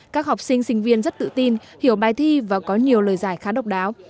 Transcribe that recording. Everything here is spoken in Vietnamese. các học sinh sinh viên rất tự tin hiểu bài thi và có nhiều lời giải khá độc đáo